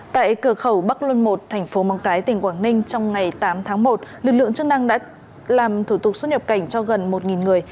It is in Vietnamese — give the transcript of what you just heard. tại cửa khẩu bắc luân i thành phố móng cái tỉnh quảng ninh trong ngày tám tháng một lực lượng chức năng đã làm thủ tục xuất nhập cảnh cho gần một người